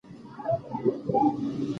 برېښنا تارونه پټ وساتئ.